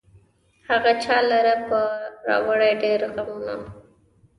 هغه چا لره به راوړي ډېر غمونه